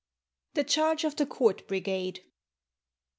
The Charge of the Court Brigade.